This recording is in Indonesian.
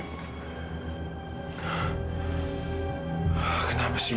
sama ada hal ini